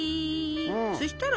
そしたら？